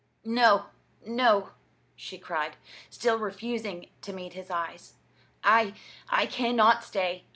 "No, no," she cried, still refusing to meet his eyes. "I I cannot stay.